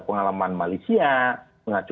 pengalaman malaysia mengacu